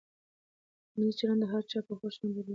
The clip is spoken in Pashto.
ټولنیز چلند د هر چا په خوښه نه بدلېږي.